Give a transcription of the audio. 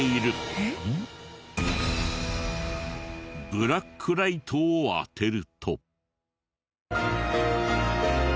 ブラックライトを当てると。